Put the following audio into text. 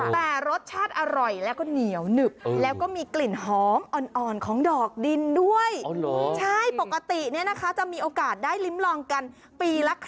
แต่รสชาติอร่อยแล้วก็เหนียวหนึบ